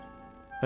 え？